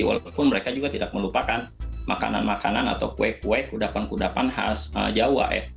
walaupun mereka juga tidak melupakan makanan makanan atau kue kue kudapan kudapan khas jawa ya